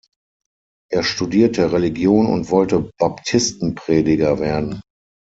Er studierte Religion und wollte Baptistenprediger werden.